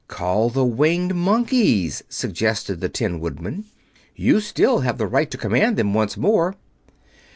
"Call the Winged Monkeys," suggested the Tin Woodman. "You have still the right to command them once more."